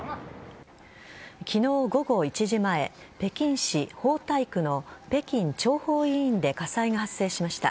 昨日、午後１時前北京市豊台区の北京長峰医院で火災が発生しました。